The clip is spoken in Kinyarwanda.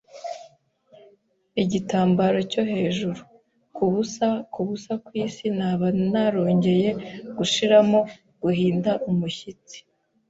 igitambaro cyo hejuru. Kubusa kubusa kwisi naba narongeye gushiramo, guhinda umushyitsi